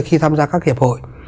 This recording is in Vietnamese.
khi tham gia các hiệp hội